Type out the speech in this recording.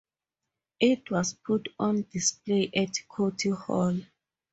It was put on display at County Hall.